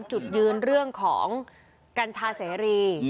จุดยืนเรื่องของกัญชาเสรี